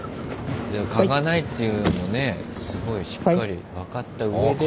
でも嗅がないというのもねすごいしっかり分かったうえでの。